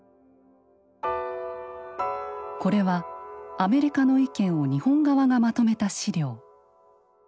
これはアメリカの意見を日本側がまとめた資料。